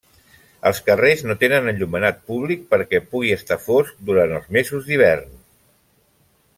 Els carrers no tenen enllumenat públic perquè pugui estar fosc durant els mesos d'hivern.